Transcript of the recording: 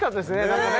何かね